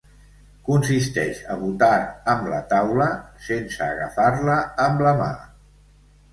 Consisteix a botar amb la taula, sense agafar-la amb la mà.